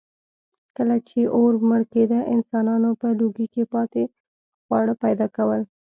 کله چې اور مړ کېده، انسانانو په لوګي کې پاتې خواړه پیدا کول.